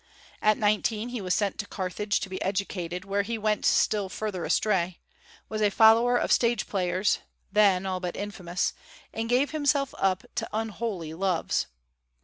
At nineteen he was sent to Carthage to be educated, where he went still further astray; was a follower of stage players (then all but infamous), and gave himself up to unholy loves.